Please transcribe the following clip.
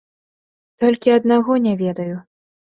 Толькі аднаго не ведаю.